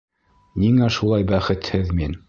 Ниңә шулай бәхетһеҙ мин?!